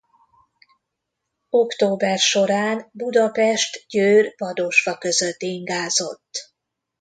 Október során Budapest-Győr-Vadosfa között ingázott.